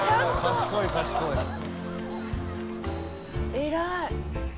偉い。